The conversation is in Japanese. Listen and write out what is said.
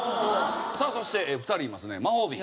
さあそして２人いますね魔法瓶。